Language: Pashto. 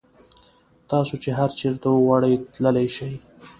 تاسو چې هر چېرته وغواړئ تللی شئ.